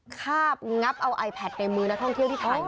คาบงับเอาไอแพทในมือนักท่องเที่ยวที่ถ่าย